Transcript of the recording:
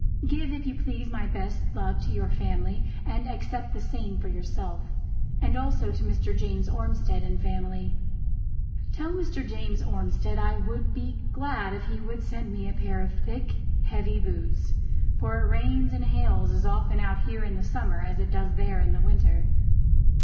Give, if you please, my best love to your family and accept the same for yourself, and also to Mr. James Ormsted and family. Tell James Ormsted I would be glad if he would send me a pair of thick, heavy boots, for it rains and hails as often out here in the summer, as it does there in the winter.